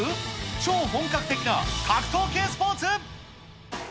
超本格的な格闘系スポーツ。